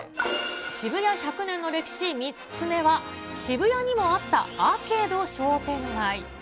渋谷１００年の歴史、３つ目は、渋谷にもあったアーケード商店街。